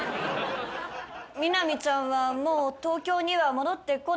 ミナミちゃんはもう東京には戻ってこないの？